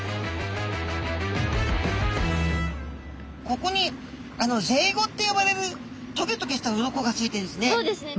ここにぜいごって呼ばれるトゲトゲした鱗がついているんですね。